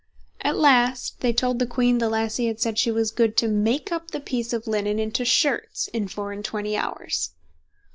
At last they told the queen the lassie had said she was good to make up the piece of linen into shirts in four and twenty hours.